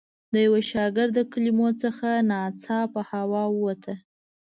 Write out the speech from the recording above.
د یوه شاګرد له کلمو څخه ناڅاپه هوا ووته.